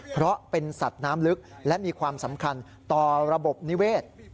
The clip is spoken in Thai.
เพราะเป็นสัตว์น้ำลึกและมีความสำคัญต่อระบบนิเวศ